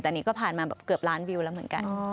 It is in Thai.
แต่นี่ก็ผ่านมาเกือบล้านวิวแล้วเหมือนกัน